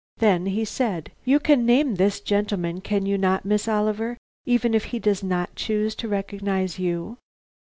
Then he said: "You can name this gentleman, can you not, Miss Oliver, even if he does not choose to recognize you?"